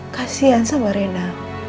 kasian sama reina